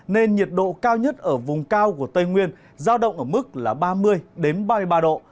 nên nhiệt độ cao nhất ở vùng cao của tây nguyên giao động ở mức là ba mươi ba mươi ba độ